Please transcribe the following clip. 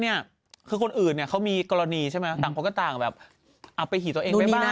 แต่ถ้าเมื่อก่อนเหลี่ยวปากนิดนึงตอนพี่มทต์เนี้ย